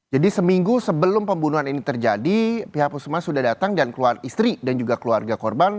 jadi seminggu sebelum pembunuhan ini terjadi pihak puskesmas sudah datang dan keluarga istri dan keluarga korban